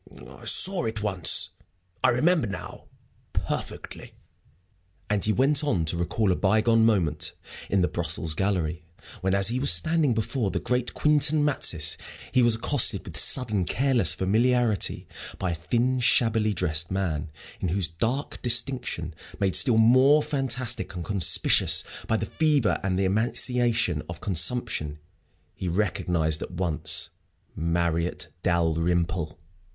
"I saw it once! I remember now perfectly." And he went on to recall a bygone moment in the Brussels Gallery, when, as he was standing before the great Quintin Matsys, he was accosted with sudden careless familiarity by a thin, shabbily dressed man, in whose dark distinction, made still more fantastic and conspicuous by the fever and the emaciation of consumption, he recognized at once Marriott Dalrymple.